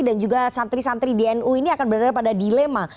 dan juga santri santri dnu ini akan berada pada dilema